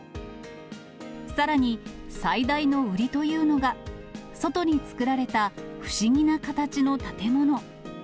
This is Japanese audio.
さらに、最大の売りというのが、外に作られた不思議な形の建物。